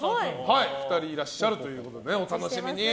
２人いらっしゃるということでお楽しみに！